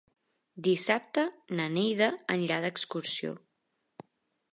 Dissabte na Neida anirà d'excursió.